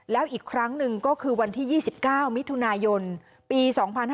แล้วอีกครั้งหนึ่งก็คือวันที่๒๙มิถุนายนปี๒๕๕๙